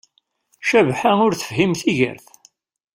Cabḥa ur tefhim tigert